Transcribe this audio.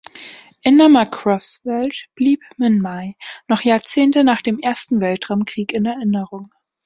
In der "Macross"-Welt blieb Minmay noch Jahrzehnte nach dem ersten Weltraumkrieg in Erinnerung.